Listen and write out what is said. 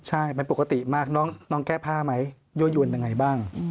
ใช่มันปกติมากน้องแก้ผ้าไหมยั่วยวนยังไงบ้าง